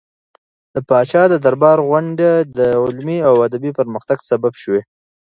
د پاچا د دربار غونډې د علمي او ادبي پرمختګ سبب شوې.